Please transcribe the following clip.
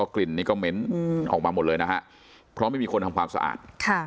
กลิ่นนี้ก็เม้นออกมาหมดเลยนะฮะเพราะไม่มีคนทำความสะอาด